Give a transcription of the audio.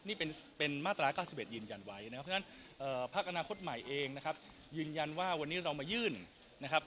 นี่เป็นมาตรา๙๑ยืนยันไว้นะครับเพราะฉะนั้นภาคอนาคตใหม่เองนะครับยืนยันว่าวันนี้เรามายื่นนะครับ